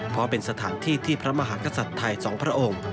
เพราะเป็นสถานที่ที่พระมหากษัตริย์ไทยสองพระองค์